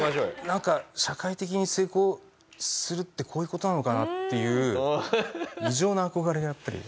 なんか社会的に成功するってこういう事なのかなっていう異常な憧れがやっぱり。